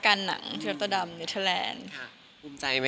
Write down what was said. กับแรงที่รัชเตอร์ดัมริทานัน